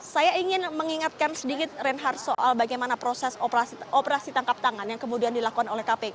saya ingin mengingatkan sedikit reinhardt soal bagaimana proses operasi tangkap tangan yang kemudian dilakukan oleh kpk